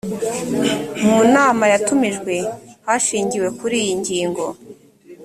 mu nama yatumijwe hashingiwe kuri iyingingo